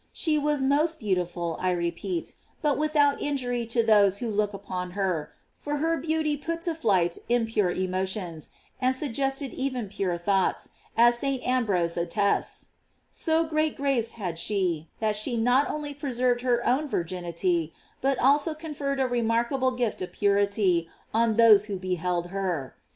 "* She was most beautiful, I repeat, but without injury to those who looked upon her, for her beauty put to flight impure emotions, and Suggested even pure thoughts, as St. Ambrose attests: So great grace had she, that she not only pn served her own virginity, but also conferr ed a remarkable gift of purity on those who beheld her.